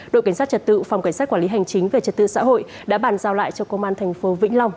đội cảnh sát trật tự phòng cảnh sát quản lý hành chính về trật tự xã hội đã bàn giao lại cho công an thành phố vĩnh long